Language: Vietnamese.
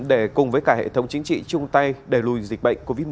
để cùng với cả hệ thống chính trị chung tay đẩy lùi dịch bệnh covid một mươi chín